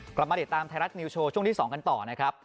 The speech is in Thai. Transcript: กลับมาติดตามไทยรัฐนิวโชว์ช่วงที่๒กันต่อนะครับ